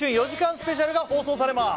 スペシャルが放送されます